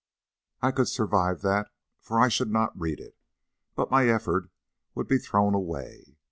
I could survive that, for I should not read it, but my effort would be thrown away.